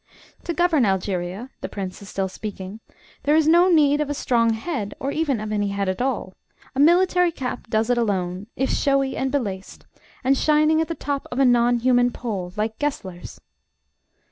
To govern Algeria (the prince is still speaking) there is no need of a strong head, or even of any head at all. A military cap does it alone, if showy and belaced, and shining at the top of a non human pole, like Gessler's.